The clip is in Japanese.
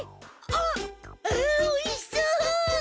あおいしそう！